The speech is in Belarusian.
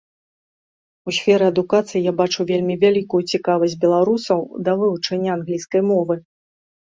У сферы адукацыі я бачу вельмі вялікую цікавасць беларусаў да вывучэння англійскай мовы.